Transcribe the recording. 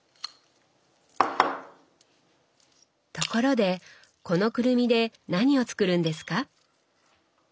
ところでこのくるみで何を作るんですか？